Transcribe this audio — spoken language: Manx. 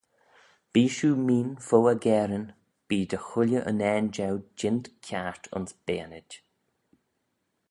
Bee shiu meen fo aggairyn bee dy-chooilley unnane jeu jeant kiart ayns beaynid.